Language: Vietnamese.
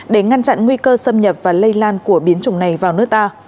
để ngăn chặn nguy cơ xâm nhập và lây lan của biến chủng này vào nước ta